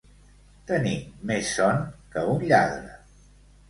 Tenir més son que un lladre.